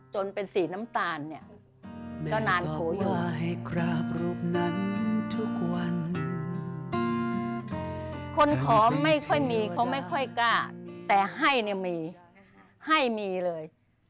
จนเป็นสีน้ำตาลเนี่ย